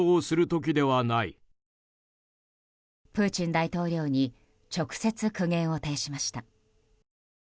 プーチン大統領に直接、苦言を呈しました。